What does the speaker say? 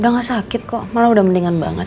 udah gak sakit kok malah udah mendingan banget